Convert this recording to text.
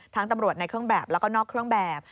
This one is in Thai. ตำรวจในเครื่องแบบแล้วก็นอกเครื่องแบบ